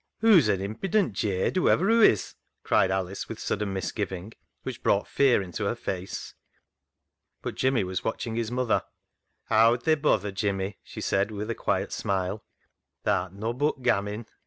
Hoo's an impident jade whoever hoo is," cried Alice with sudden mis giving, which brought fear into her face. But Jimmy was watching his mother. " Howd thy bother, Jimmy," she said, with a quiet smile, " th' art nobbut gammin'."